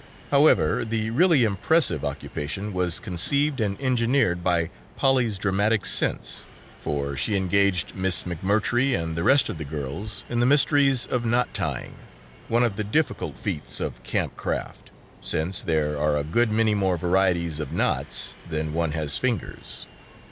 However, the really impressive occupation was conceived and engineered by Polly's dramatic sense, for she engaged Miss McMurtry and the rest of the girls in the mysteries of knot tying, one of the difficult feats of camp craft, since there are a good many more varieties of knots than one has fingers.